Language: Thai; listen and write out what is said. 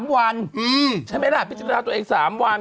๓วันใช่ไหมล่ะพิจารณาตัวเอง๓วัน